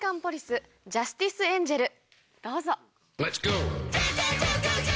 どうぞ。